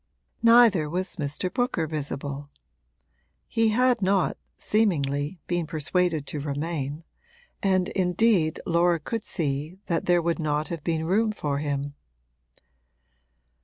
Neither was Mr. Booker visible; he had not, seemingly, been persuaded to remain, and indeed Laura could see that there would not have been room for him.